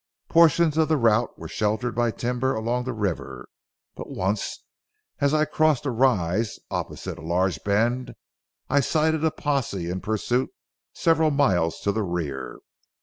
Portions of the route were sheltered by timber along the river, but once as I crossed a rise opposite a large bend, I sighted a posse in pursuit several miles to the rear.